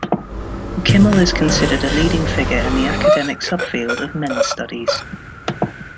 Kimmel is considered a leading figure in the academic subfield of men's studies.